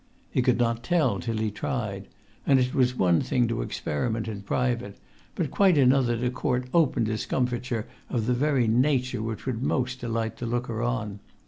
He could not tell till he tried; and it was one thing to experiment in private, but quite another thing to court open discomfiture of the very nature which would most delight the looker on.